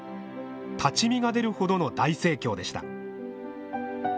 立ち見が出るほどの大盛況でした。